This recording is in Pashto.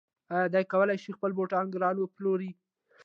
آیا دی کولی شي خپل بوټان ګران وپلوري؟